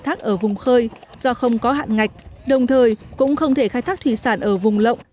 thác ở vùng khơi do không có hạn ngạch đồng thời cũng không thể khai thác thủy sản ở vùng lộng